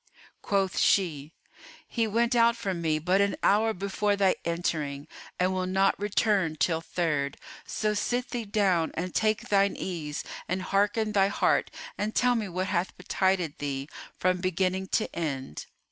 Quoth she "He went out from me but an hour before thy entering and will not return till Third: so sit thee down and take thine ease and hearten thy heart and tell me what hath betided thee, from beginning to end."